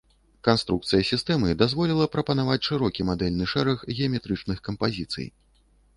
Канструкцыя сістэмы дазволіла прапанаваць шырокі мадэльны шэраг геаметрычных кампазіцый.